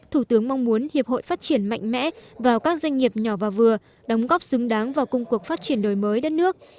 thủ tướng mong muốn hiệp hội phát triển mạnh mẽ vào các doanh nghiệp nhỏ và vừa đóng góp xứng đáng vào công cuộc phát triển đổi mới đất nước